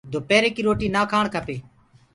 دُپيري ڪي روتي نآ کآڻ کپي۔